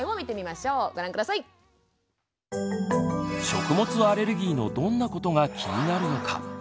食物アレルギーのどんなことが気になるのか？